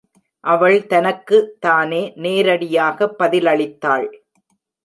அவள் தனக்கு தானே நேரடியாக பதிலளித்தாள்.